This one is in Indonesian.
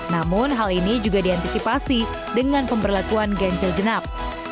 namun hal ini juga diantisipasi dengan pemberlakuan ganjil genap